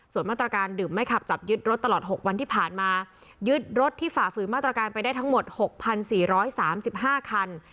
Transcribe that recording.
ส่วนมาตรการดื่มไม่ขับจับยึดรถตลอดหกวันที่ผ่านมายึดรถที่ฝ่าฝือมาตรการไปได้ทั้งหมดหกพันสี่ร้อยสามสิบห้าคัน